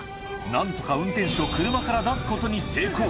なんとか運転手を車から出すことに成功。